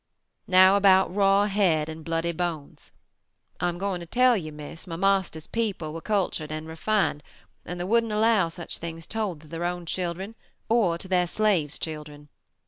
"Now about Raw Head and Bloody Bones; I am going to tell you, Miss, my Marster's people were cultured and refined, and they wouldn't allow such things told to their own children or to their slaves' children.